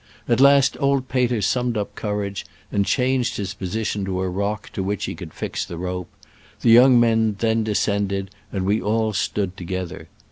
At last old Peter summoned up courage, and changed his position to a rock to which he could fix the rope : the young man then descended, and we all stood together.